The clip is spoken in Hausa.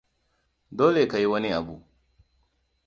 Dole ka yi wani abu.